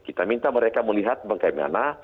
kita minta mereka melihat bagaimana